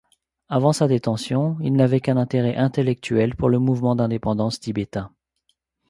Avant sa détention, il n'avait qu'un intérêt intellectuel pour le Mouvement d'indépendance tibétain.